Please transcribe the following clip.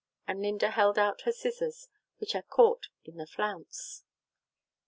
And Linda held out her scissors, which had caught in a flounce.